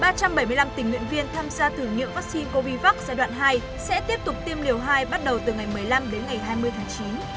ba trăm bảy mươi năm tình nguyện viên tham gia thử nghiệm vaccine covid giai đoạn hai sẽ tiếp tục tiêm liều hai bắt đầu từ ngày một mươi năm đến ngày hai mươi tháng chín